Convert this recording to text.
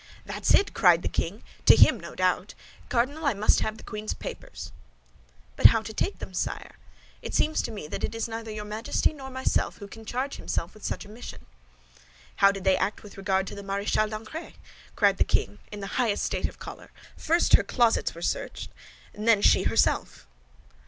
"That's it!" cried the king; "to him, no doubt. Cardinal, I must have the queen's papers." "But how to take them, sire? It seems to me that it is neither your Majesty nor myself who can charge himself with such a mission." "How did they act with regard to the Maréchale d'Ancre?" cried the king, in the highest state of choler; "first her closets were thoroughly searched, and then she herself."